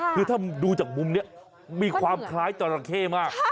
คือถ้าดูจากมุมนี้มีความคล้ายจราเข้มาก